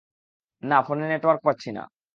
না, ফোনে নেটওয়ার্ক পাচ্ছি না!